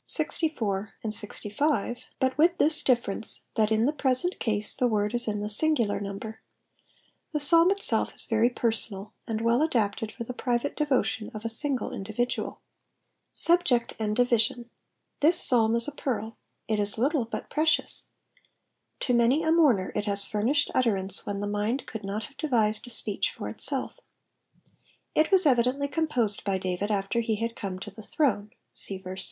LI K, and L K., buJt with this difference^ thai in the present case the uiord is in (he singular number: the Psalm itself is very personal, and wm adapted for the private devotion of a single individual. Subject and Division.— 7%w Psalm is a pearl It is little, but precious. To many a mourner it lias fvrmslied utterance when the mind could not have devised a .speech for itself. It was evidently composed by David after he had come to Vie throne^— see verse 6.